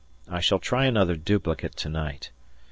I shall try another duplicate to night.